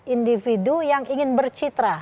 individu yang ingin bercitra